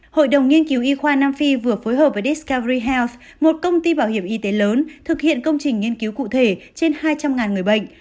hội đồng nghiên cứu y khoa nam phi vừa phối hợp với dscary health một công ty bảo hiểm y tế lớn thực hiện công trình nghiên cứu cụ thể trên hai trăm linh người bệnh